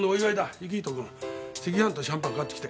行人君赤飯とシャンパン買ってきて。